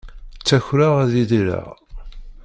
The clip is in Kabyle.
Ttakreɣ ad idireɣ.